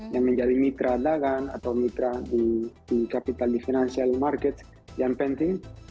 yang menjadi mitra dagang atau mitra di capital di financial market yang penting